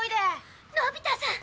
のび太さん！